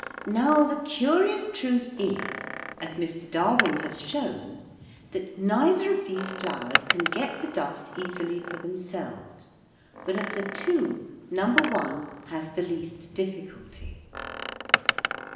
Now the curious truth is, as Mr. Darwin has shown, that neither of these flowers can get the dust easily for themselves, but of the two No. 1 has the least difficulty.